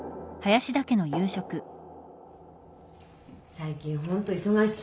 最近ホント忙しそうね。